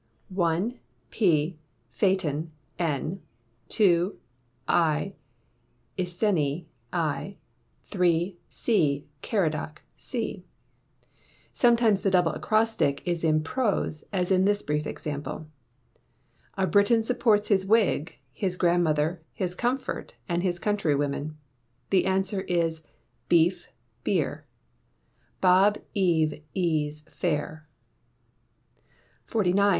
1 P Phaeton N 2 I Iceni I 3 C Caradoc C Sometimes the Double Acrostic is in prose, as in this brief example: A Briton supports his wig, his grand mother, his comfort, and his country women. The answer is, Beef Beer: Bob, Eve, Ease, Fair. 49.